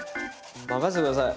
任せて下さい。